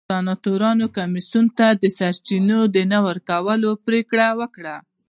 سناتورانو کمېسیون ته د سرچینو د نه ورکولو پرېکړه وکړه.